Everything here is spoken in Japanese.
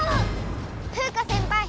フウカせんぱい！